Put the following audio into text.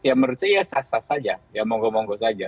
ya merasa saksa saja ya monggo monggo saja